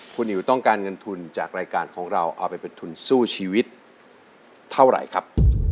คุณอิ๋วต้องการเงินทุนจากรายการของเราเอาไปเป็นทุนสู้ชีวิตเท่าไหร่ครับ